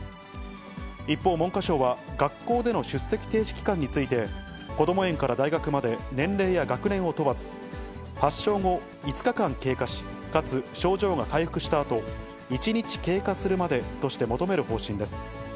一方、文科省は、学校での出席停止期間について、こども園から大学まで、年齢や学年を問わず、発症後５日間経過し、かつ症状が回復したあと、１日経過するまでとして求める方針です。